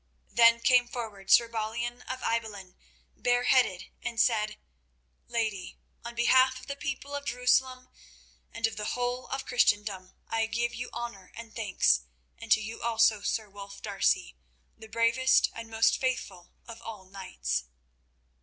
Then came forward Sir Balian of Ibelin, bareheaded, and said: "Lady, on behalf of the people of Jerusalem and of the whole of Christendom, I give you honour and thanks, and to you also, Sir Wulf D'Arcy, the bravest and most faithful of all knights."